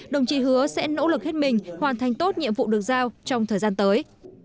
đồng chí hứa sẽ nỗ lực hết mình hoàn thành tốt nhiệm vụ được giao trong thời gian tới